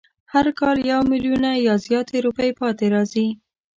هر کال یو میلیونه یا زیاتې روپۍ پاتې راځي.